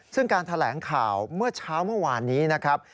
ซึ่งการแถลงข่าวเมื่อเช้าเมื่อวานนี้นะครับ